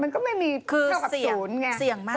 มันก็ไม่มีเท่ากับศูนย์ไง